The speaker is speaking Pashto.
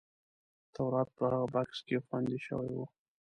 تورات په هغه بکس کې خوندي شوی و.